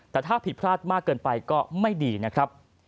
แต่ถ้าผิดพลาดมากเกินไปก็ไม่ดีนะครับ